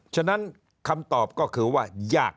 ฉะนั้นคำตอบก็คือว่ายาก